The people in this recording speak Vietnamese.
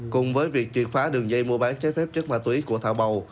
cùng với việc triệt phá đường dây mua bán trái phép chất ma túy của thảo bầu